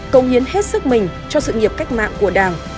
công hiến hết sức mình cho sự nghiệp cách mạng của đảng